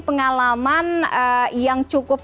pengalaman yang cukup